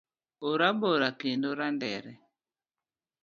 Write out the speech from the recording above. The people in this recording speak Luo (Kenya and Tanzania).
Orabora kendo randere